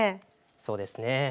そうですね。